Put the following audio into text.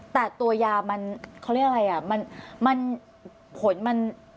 แต่ตัวยามันเขาเรียกอะไรอ่ะ